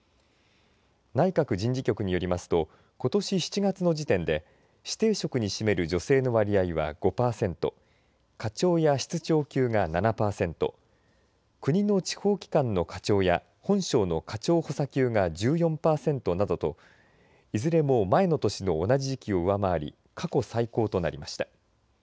内閣人事局によりますとことし７月の時点で指定職に占める女性の割合は５パーセント課長や室長級が７パーセント国の地方機関の課長や本省の課長補佐級が１４パーセントなどといずれも前の年の同じ時期を上回り過去最高となりました。